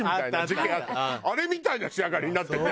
あれみたいな仕上がりになってて。